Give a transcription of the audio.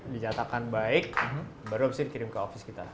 dinyatakan baik baru abis itu dikirim ke ofis kita